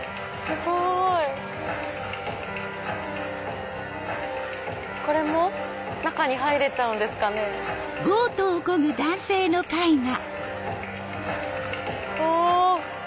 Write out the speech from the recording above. すごい！これも中に入れちゃうんですかね。お！